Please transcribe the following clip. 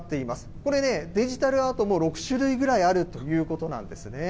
これね、デジタルアートも６種類ぐらいあるということなんですね。